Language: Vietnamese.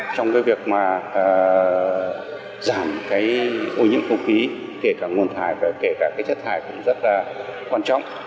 trong cái việc mà giảm cái ô nhiễm không khí kể cả nguồn thải và kể cả cái chất thải cũng rất là quan trọng